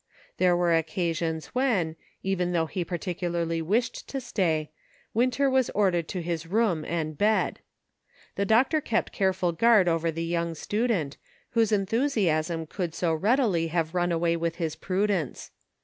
There were occasions when, even though he particularly wished to stay, Winter was ordered to his room and bed. The doctor kept careful guard over the young student, whose en thusiasm could so readily have run away with his prudence.